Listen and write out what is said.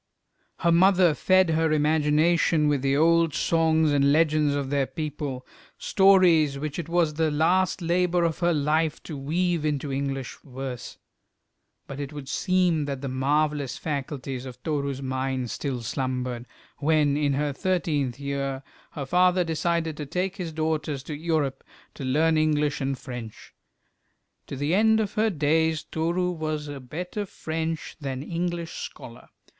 Her mother fed her imagination with the old songs and legends of their people, stories which it was the last labour of her life to weave into English verse; but it would seem that the marvellous faculties of Toru's mind still slumbered, when, in her thirteenth year, her father decided to take his daughters to Europe to learn English and French. To the end of her days Toru was a better French than English scholar.